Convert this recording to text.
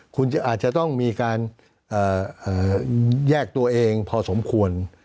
คุณอาจจะต้องมีการแยกตัวเองพอสมควร